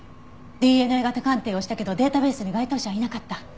ＤＮＡ型鑑定をしたけどデータベースに該当者はいなかった。